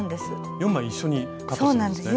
４枚一緒にカットするんですね。